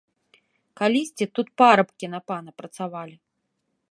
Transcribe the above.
Калісьці тут парабкі на пана працавалі.